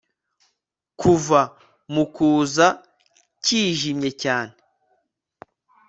Kuva mu kazu kijimye cyane